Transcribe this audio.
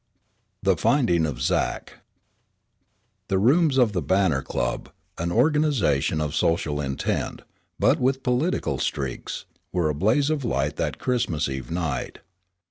THE FINDING OF ZACH The rooms of the "Banner" Club an organization of social intent, but with political streaks were a blaze of light that Christmas Eve night.